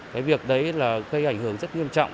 cái việc đấy là gây ảnh hưởng rất nghiêm trọng